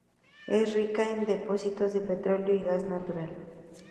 Es rica en depósitos de petróleo y gas natural.